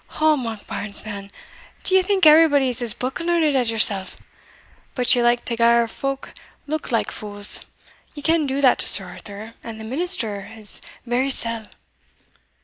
"O, Monkbarns, man! do ye think everybody is as book learned as yoursell? But ye like to gar folk look like fools ye can do that to Sir Arthur, and the minister his very sell."